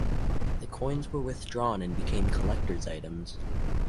The coins were withdrawn and became collectors' items.